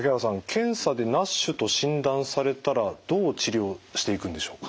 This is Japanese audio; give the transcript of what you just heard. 検査でＮＡＳＨと診断されたらどう治療していくんでしょうか。